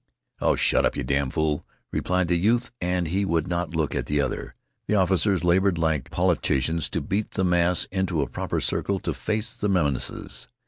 "Oh, shut up, you damned fool!" replied the youth, and he would not look at the other. The officers labored like politicians to beat the mass into a proper circle to face the menaces.